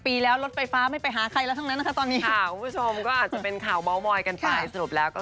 พอเขาเจอคนมาถามเขาเยอะแยะ